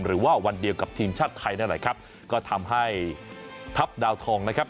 วันเดียวกับทีมชาติไทยนั่นแหละครับก็ทำให้ทัพดาวทองนะครับ